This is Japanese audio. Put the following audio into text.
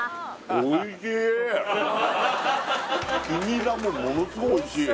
大人黄ニラもものすごいおいしい